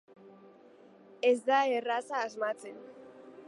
Ez da erraza asmatzen.